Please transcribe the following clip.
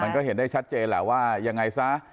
ก็ได้เห็นได้ชัดเจนแหละว่ายังไงซะ